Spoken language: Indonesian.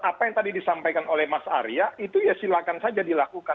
apa yang tadi disampaikan oleh mas arya itu ya silakan saja dilakukan